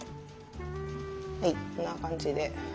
はいこんな感じで。